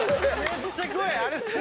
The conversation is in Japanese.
めっちゃ怖え！